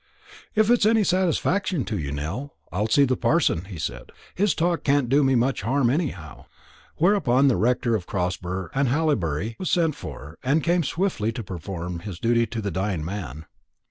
"If it's any satisfaction to you, Nell, I'll see the parson," he said. "His talk can't do me much harm, anyhow." Whereupon the rector of Crosber and Hallibury was sent for, and came swiftly to perform his duty to the dying man.